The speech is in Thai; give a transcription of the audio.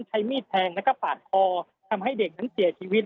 ใช้มีดแทงแล้วก็ปาดคอทำให้เด็กนั้นเสียชีวิต